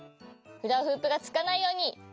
フラフープがつかないように！